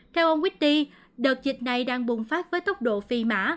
theo ông witti đợt dịch này đang bùng phát với tốc độ phi mã